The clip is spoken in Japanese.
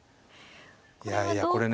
いやいやこれね。